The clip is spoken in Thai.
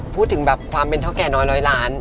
พูดถึงแบบความเป็นเท่าแก่น้อยร้อยล้าน